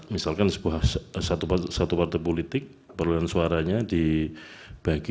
misalkan satu partai politik perolehan suaranya dibagi